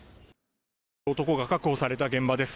男が確保された現場です。